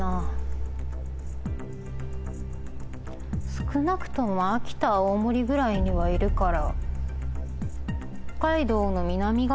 少なくとも秋田青森ぐらいにはいるから。